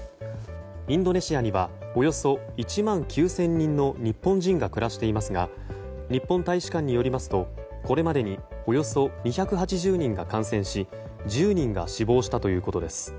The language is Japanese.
インドネシアにはおよそ１万９０００人の日本人が暮らしていますが日本大使館によりますとこれまでにおよそ２８０人が感染し１０人が死亡したということです。